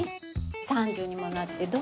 ３０にもなってどうするのよ？